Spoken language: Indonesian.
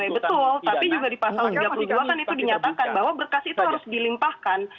betul tapi juga di pasal delapan puluh dua kan itu dinyatakan bahwa berkas itu harus dilimpahkan